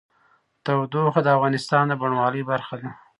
تودوخه د افغانستان د بڼوالۍ برخه ده.